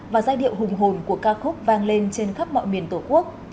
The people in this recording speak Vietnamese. và giai điệu hùng hồn của ca khúc vang lên trên khắp mọi miền tổ quốc